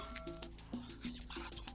anjay parah tuh